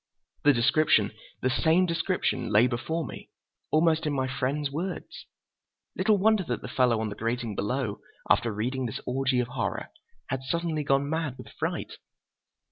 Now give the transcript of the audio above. The description—the same description—lay before me, almost in my friend's words. Little wonder that the fellow on the grating below, after reading this orgy of horror, had suddenly gone mad with fright.